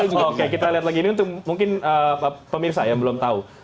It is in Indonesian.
oke kita lihat lagi ini untuk mungkin pemirsa yang belum tahu